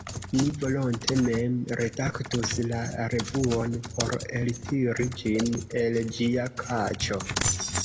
Ni volonte mem redaktus la revuon por eltiri ĝin el ĝia kaĉo.